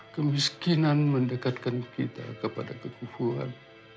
kemiskinan mendekatkan kita kepada kekuburan